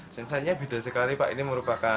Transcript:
sensasinya beda sekali pak ini merupakan